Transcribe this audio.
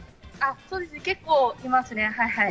結構いますね。